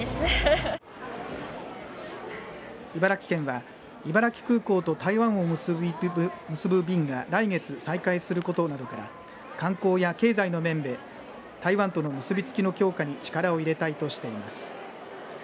茨城県は茨城空港と台湾を結ぶ便が来月再開することなどから観光や経済の面で台湾との結び付きの強化に力を入れたいとしています。